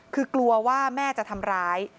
คือกลัวว่าแม่จะทำร้าย